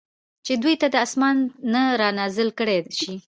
چې دوی ته د آسمان نه را نازل کړل شي